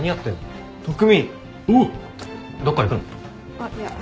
あっいや。